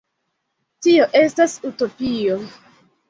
Tio estas utopio.